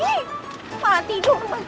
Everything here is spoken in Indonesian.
ih malah tidur lagi